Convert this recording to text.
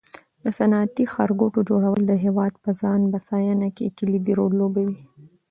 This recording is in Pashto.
د صنعتي ښارګوټو جوړول د هېواد په ځان بسیاینه کې کلیدي رول لوبوي.